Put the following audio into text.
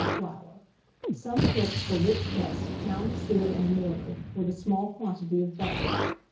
of flour. Some cooks, for rich crusts, pound the suet in a mortar, with a small quantity of butter.